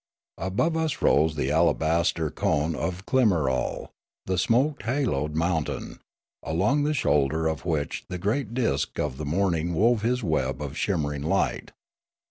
Above us rose the alabaster cone of Klimarol, the smoke haloed mountain, along the shoulder of which the great disk of the morning wove his web of shimmering light.